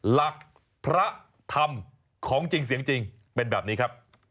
หลักพระธรรมของจริงเสียงจริงเป็นแบบนี้ครับ